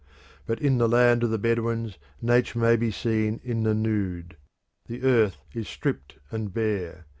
But in the land of the Bedouins, Nature may be seen in the nude. The sky is uncovered; the earth is stripped and bare.